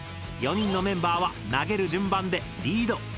４人のメンバーは投げる順番でリード